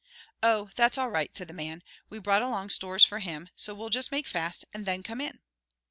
"Oh, that's all right," said the man, "we brought along stores for him, so we'll just make fast and then come in."